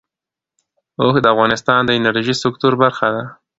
اوښ د افغانستان د انرژۍ سکتور برخه ده.